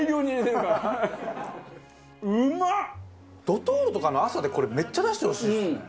ドトールとかの朝でこれめっちゃ出してほしいですね。